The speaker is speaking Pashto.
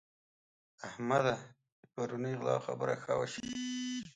احمده! د پرونۍ غلا خبره ښه وشنئ.